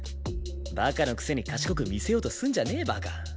バカのくせに賢く見せようとすんじゃねえバカ。